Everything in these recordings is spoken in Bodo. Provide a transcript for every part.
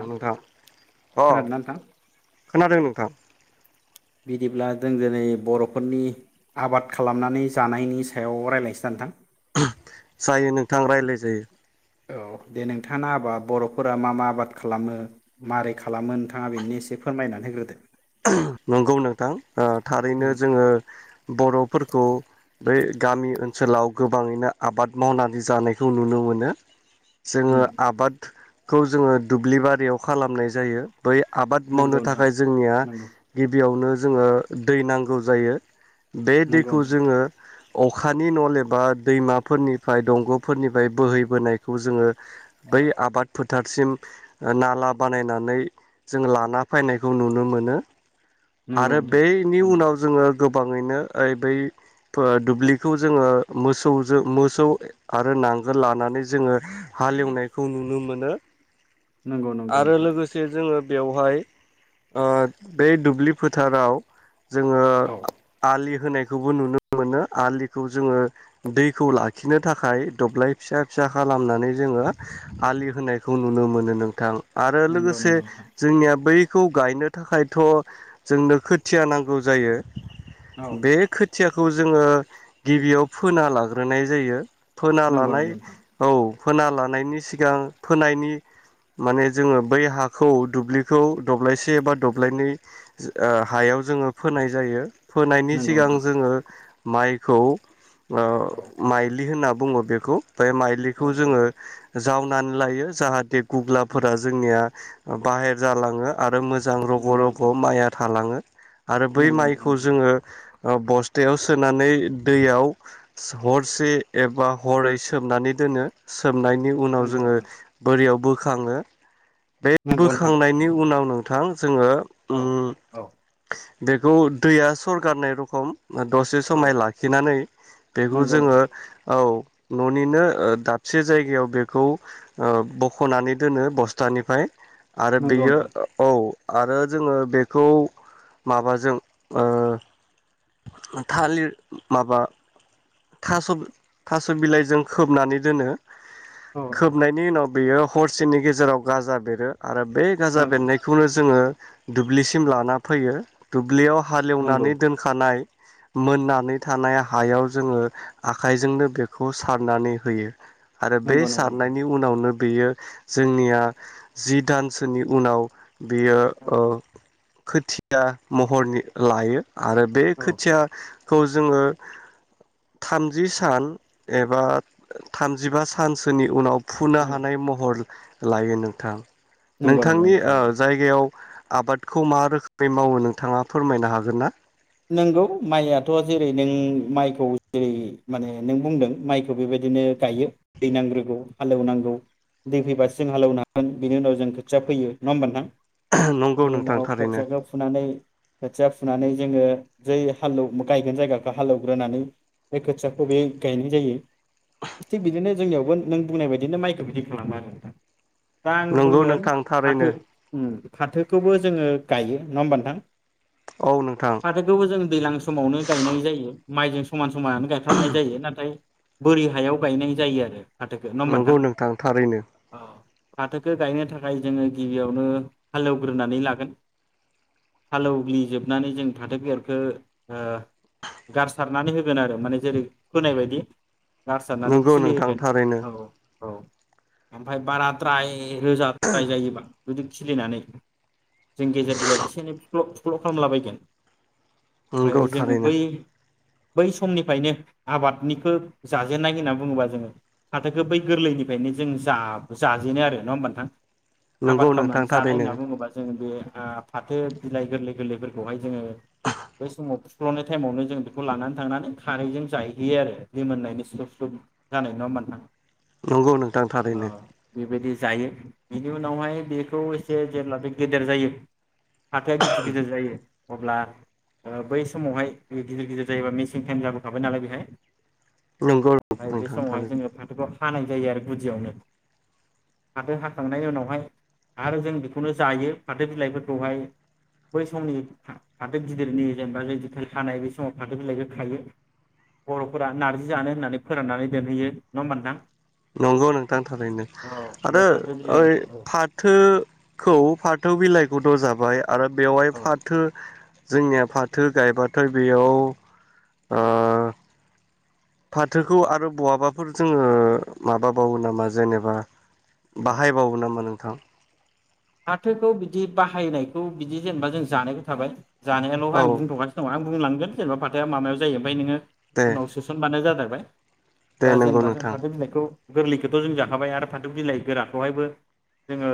औ नोंथां अ खोनादोंना नोंथां? खोनादों नोंथां बिदिब्ला जों दिनै बर'फोरनि आबाद खालामनानै जानायनि सायाव रायज्लायसै ना नोंथां जायो नोंथां रायज्लाय जायो औ दे नोंथाङा आबाद बर'फोरा मा मा आबाद खालामो मारै खालामो नोंथाङा बेनो एसे फोरमायनानै होग्रोदो नंगौ नोंथां ओ थारैनो उम जोङो बर'फोरखौ बै गामि ओनसोलाव गोबाङैनो आबाद मावनानै जानायखौ नुनो मोनो उम जोङो आबाद खौ जोङो दुब्लि बारियाव खालामनाय जायो बै आबाद मावनो नंगौ नोंथां थाखाय जोंनिया नंगौ गिबियावनो जोङो दै नांगौ जायो बे नंगौ दैखौ नोंथां जोङो अखानि न' नेबा एबा दैमाफोरनिफ्राय दंग'फोरनिफ्राय बोहैबोनायखौ जोङो बै आबाद फोथ' थारसिम ओ नाला बानायनानै जों लाना फायनायखौ नुनो मोनो। नंगौ आरो नोंथां बेनि नंगौ उनाव जोङो गोबाङैनो ओय बै दुब्लिखौ जोङो मोसौजों मोसौ आरो नांगोल लानानै जोङो हालेवनायखौ नुनो मोनो। नंगौ नंगौ आरो नोंथां लोगोसे जोङो बेवहाय ओ बे दुब्लि फोथाराव जोङो औ आ-आलि होनायखौबो नुनो मोनो। आलिखौ जोङो दैखौ लाखिनो थाखाय दब्लाय फिसा फिसा खालामनानै जोङो आलि होनायखौ नुनो मोनो नोंथां। आरो नंगौ नंगौ लोगोसे नोंथां जोंनिया बै खौ गायनो थाखायथ' जोंनो खोथिया नांगौ जायो। औ बे खोथिया खौ जोङो गिबियाव फोना लाग्रोनाय जायो। फोना नंगौ लानाय नंगौ नोंथां औ फोना लानायनि सिगां फोनायनि माने जोङो बै हाखौ दुब्लिखौ दब्लायसे एबा दब्लायनै जो आ हायाव जोङो फोनाय जायो। फोनायनि नंगौ सिगां नोंथां जोङो माइखौ ओ औ मायलि होनना बुङो बेखौ। बे औ माइलिखौ औ जोङो औ जावनानै लायो जाहाथे गुग्लाफोरा जोंनिया ओ बाहेर जालाङो आरो मोज जां रग' नंगौ रग' नोंथां माइआ थालाङो आरो बै नंगौ नोंथां मायखौ नंगौ जोङो ओ बस्थायाव सोनानै दैयाव सो हरसे एबा हरै सोमनानै दोनो सोब नायनि उनाव नंगौ जोङो नोंथां बोरियाव बो खाङो बे नंगौ नोंथां बोखांनायनि उनाव नोंथां जोङो औ उम औ बेखौ दैया सरगारनाय रखम दसे औ समाय लाखिनानै बेखौ नंगौ जोङो नोंथां औ न'निनो ओ दाबसे जायगायाव बेखौ ओ बख'नानै दोनो बस्थानिफ्राय आरो नंगौ बेयो नोंथां औ आरो जोङो बे खौ माबाजों ओ थालिर माबा थास' थास' बिलाइजों खोबनानै दोनो औ नोंथां खोबनायनि उनाव बेयो हरसेनि गेजेराव गाजा बेरो आरो बे गाजा नंगौ बेन्नायखौनो जोङो दुब दुब्लिसिम लाना फैयो दुब्लियाव नंगौ हालेवनानै दोनखानाय मोननानै थानाय हायाव जोङो आखाइजोंनो बेखौ सारनानै होयो आरो बे नंगौ नंगौ नोंथां सारनायनि उनावनो बेयो जोंनिया जि दानसोनि उनाव बियो औ खोथिया महरनि लायो आरो बे औ खोथिया खौ जोङो थामजि सान एबा थामजिबा सानसोनि उनाव फुनो उम, हानाय महर लायो नोंथां नंगौ नंगौ नोंथांनि नोंथां नंगौ जायगायाव आबाद खौ मा नोंगौ माइयाथ' जेरै नों माइखौ जेरै माने नों बुंदों माइखौ बेबायदिनो गायो दै नांग्रोगौ हालेवनांगौ दै फैबासो जों हालेवनो हागोन बिनि उनाव जों खोथिया फैयो नङा होमबा नोंथां नंगौ बिनि नोंथां उनाव थारैनो खोथियाखौ फुनानै खोथिया फ फुनानै जोङो जै हाल गायगोन जायगाखौ हालौवग्रोनानै बे खोथियाखौ बे गायनाय जायो थिग बिदिनो जोंनियावबो नों बुंनाय बायदिनो माइखौ बिदि खालामा आरो दा आं नंगौ बुंगोन नोंथां थारैनो फाथो फाथोखौबो जोङो गायो नङा होमबा नोंथां औ नों फाथोखौबो जों दैज्लां समावनो गायनाय जायो माइजों समान समायानो गायफ्रामनाय जायो नाथाय बोरि हायाव गायनाय जायो आरो फाथोखौ नङा होमबा नंगौ नोंथां थारैनो फाथोखौ गायनो थाखाय जोङो गिबियावनो हालौग्रोनानै लागोन हालेवग्लिजोबनानै जों फाथो बेगरखो ओ गारसारनानै होगोन आरो माने जेरै फोनाय बायदि गारसारनानै नंगौ नोंथां खिलिहोगोन थारैनो औ औ ओमफ्राय बाराद्राय रोजाद्राय जायोबा गुदि खिलिनानै जों गेजेर गेजेर एसे एनै फुख्लब फुख्लब खालामलाबायगोन नंगौ ओमफफ्राय जोङ बै थारैनो बै समनिफ्रायनो आबादनिखौ जाजेननाय होनना बुङोबा जोङो फाथोखो बै गोरलैनिफ्रायनो जों जा-जाजेनो आरो नङा होमबा नोंथां नंगौ आबाद नोंथां खालामनानै जानाय थारैनो होनना बुङोबा जोंङ बे ओ फाथो बिलाइ गोरलै गोरलैफोरखौहाय जोङो बै समाव फुख्ल'नाय टाइमावनो जों बेखौ लानानै थांनानै खारैजों जाहहैयो आरो दै मोननायनि स्लुब स्लुब जानाय नङा मोन नंगौ नोंथां थारैनो बेबायदि जायो बिनि उनावहाय बेखौ एसे जेब्ला बे गेदेर जायो फाथोआ गिदिर गिदिर जायो अब्ला बै समावहाय गिदिर गिदिर जायोबा मेसें टाइम जाबोखाबाय नालाय बेहाय नंगौ ओमफफ्राय बे नोंथां समावहाय थारैनो जोङो फाथोखौ हानाय जायो आरो गुदियावनो फाथो हाखांनायनि उनावहाय आरो जों बेखौनो जायो फाथो बिलाइफोरखौहाय बै समनि फाथो गिदिरनि जेनेबा जदिथाइ खानाय बे समाव फाथो बिलाइखौ खायो बर'फोरा नार्जि जानो होननानै फोराननानै दोनहैयो नङा होमबाथां नंगौ नोंथां थारैनो बे आरो फाथो बिलाइ ओइ औ फाथोखौ फाथो बिलाइखौथ' जाबाय आरो बेवहाय औ फाथो जोंनिया फाथो गायबाथाय बेयाव। औ ओ। फाथोखौ आरो बहाबाफोर जोङो माबाबावो नामा जेनेबा औ बाहायबावो नामा नों थां। फाथोखौ बिदि बाहायनायखौ बिदि जेनेबा जों जानायबो थाबाय। जानायाल' औ आं बुंथगासिनो दं आं। बुंलांगोन जेनेबा फाथोया माबायाव जायो ओमफाय नोङो? दे उनाव सोसनबानो जागो। बाय दे दा नंगौ जेनेबा जों नोंथां फाथो बिलाइखौ। गोरलैखथ' जों जाखाबाय आरो फाथौ बिलाइ गोराखौहायबो जोङो।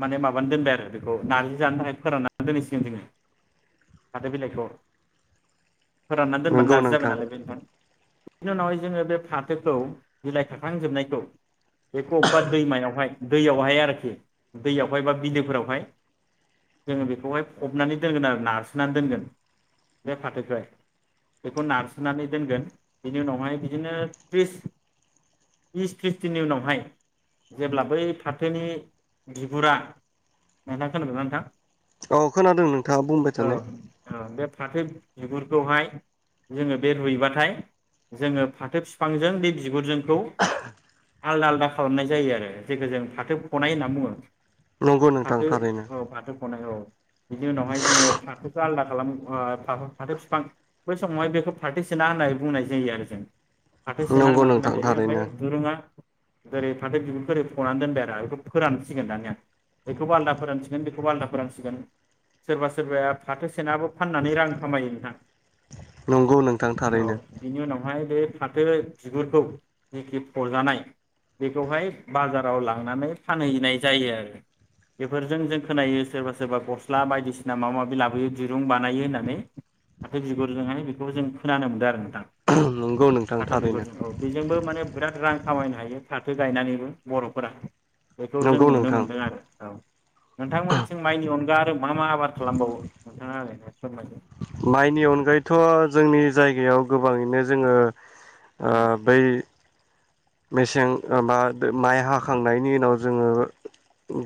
माने माबानो दोनबाय आरो बेखौ नार्जि जानो थाखाय फोराननानै दोनहैसिगोन जोङो फाथो बिलाइखौ। फोराननानै दोनबानो नंगौ नारजि जाबाय नोंथां नालाय बे निफ्राय। बिनि उनावहाय जोङो बे फाथोखौ बिलाइ थाखाखांजोबनायखौ। बेखौ अबेबा दैमायावहाय। दैयावहाय आरोखि दैयावहाय बा बिलोफोरावहाय जोङो बेखौहाय फबनानै दोनगोन आरो नारसोनानै दोनगोन बे फाथोखौहाय बेखौ नारसोनानै दोनगोन बेनि उनावहाय बिदिनो थ्रिस बिस थ्रिस दिननि उनावहाय जेब्ला बै फाथोनि बिगुरा नोंथां खोनादोंना नोंथां? औ खोनादों नोंथां बुंबाय औ थानाय। औ बे फाथो बिगुरखौहाय जोङो बे रुइबाथाय जोङो फाथो बिफांजों बे बिगुरजों खौ आलदा आलदा खालामनाय जायो आरो जेखौ जों फाथो फनाय होनना बुङो। नंगौ नोंथां फाथो थारैनो औ फाथो फनाय औ। बिनि उनावहाय जोङो फाथोखौ आलदा खालाम आ फाथो बिफां बै समावहाय बेखौ फाथो सेना होननानै बुंनाय जायो आरो जों। फाथो सेना नंगौ होनना बुंनाय नोंथां जायो ओमफाय थारैनो दुरुंङा। ओरै फाथो बिगुरखौ ओरै फनानै दोनबाय आरो बेखौ' फोरान सिगोन दानिया बेखौबो आलदा फोरानसिगोन बेखौबो आलादा फोरानसिगोन सोरबा सोरबाया फाथो सेनाबो फाननानै रां खामायो नोंथां। नंगौ नोंथां थारैनो। हाय बे फाथो बिगुरखौ जिखि फरजानाय बेखौहाय बाजाराव लांनानै फानहैनाय जायो आरो बेफोरजों जों खोनायो सोरबा सोरबा गस्ला बायदिसिना माबा माबि लाबोयो दिरुं बानायो होननानै फाथो बिगुरजोंहाय बेखौ जों खोनानो मोन्दों आरो नोंथां। नंगौ नोंथां फाथो थारैनो बिगुरजों बेजोंबो माने बिराद रां खामायनो हायो फाथो गायनानैबो बर'फोरा। जों नंगौ नुनो नोंथां मोनदों आरो औ। नोंथांमोननिथिं माइनि अनगा आरो मा मा आबाद खालामबावो नोंथाङा ओरैनो फोरमायदो मइनि अनगायैथ' जोंनि जायगायाव गोबाङैनो जोङो ओ बै मेसें आबाद माइ हाखांनायनि उनाव जोङो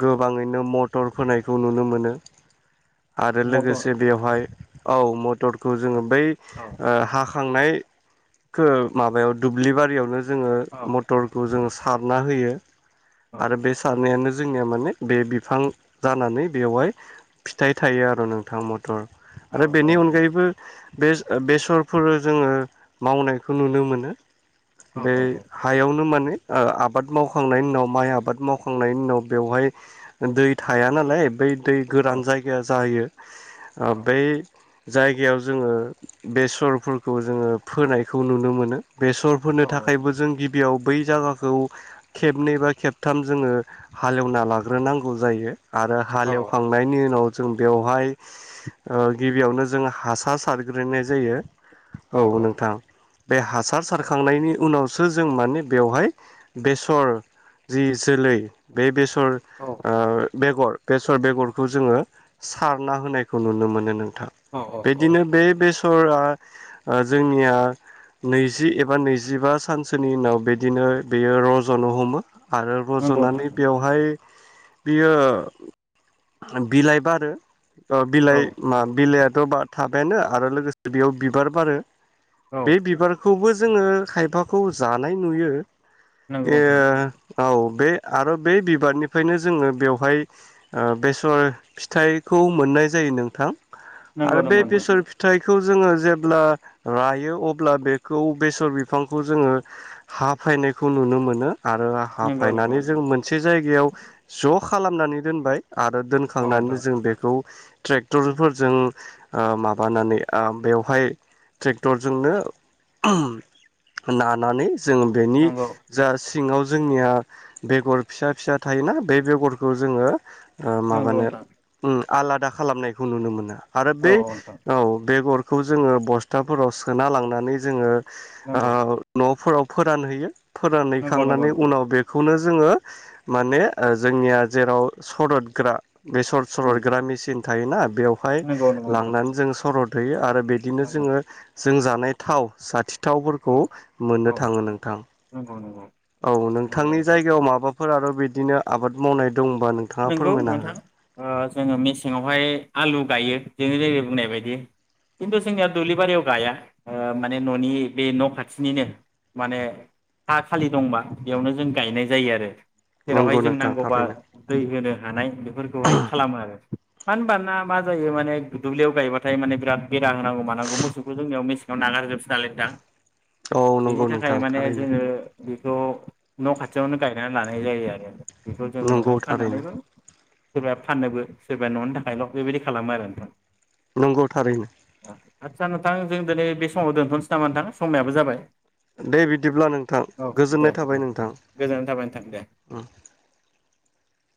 गोबाङैनो मटर फोनायखौ नुनो मोनो आरो मटर लोगोसे बेवहाय औ मटर खौ जोङो बै औ ओ हा खांनायखौ माबायाव दुब्लि बारियावनो जोङो औ मटरखौ जोङो सारना होयो। औ आरो बे सारनायानो जोंनिया माने बे बिफां जानानै बेवहाय फिथाइ थायो आरो नोंथाङा मटर औ आरो बेनि अनगायैबो बे बेसरफोर जोंङो मावनायखौ नुनो मोनो। औ औ औ बेयावनो माने ओ आबाद मावखांनायनि उनाव माइ आबाद मावखांनायनि उनाव बेवहाय दै थाया नालाय बै दै औ गोरान जायगाया जाहैयो ओ औ बेै जायगायाव जोङो बेसरफोरखौ जोंङो फोनायखौ नुनो मोनो। बेसरफोरनो औ थाखायबो गिबियाव बै जागाखौ खेबनै बा खेबथाम जोंङो हालेवना लाग्रोनांगौ जायो। आरो हालेवखांनायनि उनाव जों बेवहाय ओ गिबियावनो जों हासार सारग्रोनाय जायो। औ नोंथां बे हासार सारखांनायनि उनाव सो जों माने बेवहाय बेसर जि जोलै बे बेसर ओ बेगर बेसर बेगरखौ जोंङो सारना होनायखौ नुनो मोनो नों औ औ बिदिनो बे फोरा ओ जोंनिया नैजि एबा नैजिबा। सानसेनि उनाव बिदिनो बेयो रजनो हमो आरो नंगौ नोंथां रजनानै बेवहाय बियो बिलाइ बारो अ औ बिलाइ मा बिलाइआ थ बा थाबायानो आरो लोगोसे बेयाव बिबार बारो औ बे बिबारखौबो जो जोंङो खायफा खौ जानाय नुयो नंगौ ए नोंथां औ बे आरो बे बिबारनिफ्रायनो जोंङो बेवहाय ओ बेसर फिथाइखौ मोननाय जायो नोंथां नंगौ आरो बे नंगौ नोंथां बेसर फिथाइ खौ जोंङो जेब्ला लायो अब्ला बेखौ बेसर बिफां खौ जोंङो हाफायनायखौ नुनो मोनो आरो नंगौ नंगौ हाफायनानै जों नोंथां मोनसे जायगायाव ज' खालामनानै दोनबाय आरो औ दोनखांनानै नोंथां जों बेखौ ट्रेक्टरफोरजों ओ माबानानै ओ बेवहाय ट्रेक्टरजोंनो नानानै जों बेनि नंगौ जा सिङाव जोंनिया बेगर फिसा फिसा थायोना बे बेगरखौ जोङो ओ नंगौ माबानो नोंथां ओम आलादा खालामनायखौ नुनो मोना। आरो औ बे नोंथां औ बेगर [unintelligible] जोङो बस्थाफोराव सोना लांनानै जोङो नंगौ ओ न'फोराव फोरानहैयो। नंगौ नंगौ फोरानहैखांनानै नोंथां उनाव बेखौनो जोङो माने ओ जोंनिया जेराव सरदग्रा बेसर उम सरदग्रा मेसिन थायोना बेवहाय नंगौ नंगौ नोंथां लांनानै जों सरद बेयो आरो बिदिनो नंगौ जोङो जों जानाय थाव जाथिथाव औ [unintelligible] औ मोननो थाङो नोंथां नंगौ नंगौ औ नंगौ नोंथांनि नोंथां जायगायाव [unintelligible] [unintelligible] आरो बिदिनो आबाद मावनाय दंबा नोंथाङा नंगौ फोरमायनो नोंथां हागोन। ओ जोङो मेसेङावहाय आलु गायो नोङो जेरै बुंनाय बायदि खिन्थु जोंना दुब्लि बारियाव गाया माने न'नि बे न' खाथिनिनो माने हा खालि दंबा बेयावनो जों गायनाय जायो आरो। जेरावहाय नंगौ जों नोंथां नांगौबा थारैनो दै होनो हानाय बेफोरखौहाय खालामो आरो। मानो ओनबा ना बा जायो माने दुब्लियाव गायबाथाय माने बिराद बेदा होनांगौ मानांगौ मोसुखौ जोंनियाव मेसिंङाव नागार जोबसि‌ नालाय नोंथां। औ बिनि नंगौ नोंथां थाखाय माने थारैनो जोंङो थ' न' खाथियावनो गायना लानाय जायो आरो। बिखौ जों नंगौ उनावहाय। थारैनो फाननानैबो गोबां फाननोबो सोरबाया न'नि थाखायल' बेबायदि खालामो आरो नोंथां। नंगौ थारैनो आतसा नोंथां जों दोनै बे समाव दोनथ'सै नामा? नोंथां समायाबो जाबाय। दे बिदिब्ला नोंथां औ दे गोजोननाय दे थाबाय दे नोंथां गोजोननाय थाबाय नोंथां दे ओम।